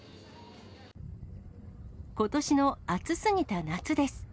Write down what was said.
ことしの暑すぎた夏です。